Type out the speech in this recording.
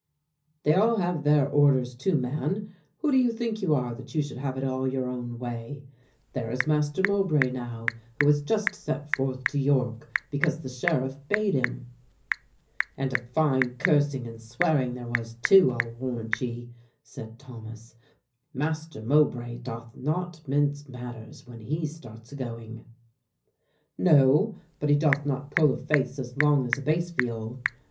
"They all have their orders too, man; who do you think you are that you should have it all your own way? There is Master Mowbray, now, who has just set forth to York, because the Sheriff bade him." "And a fine cursing and swearing there was too, I'll warrant ye," said Thomas. "Master Mowbray doth not mince matters when he starts a going." "No, but he doth not pull a face as long as a base viol.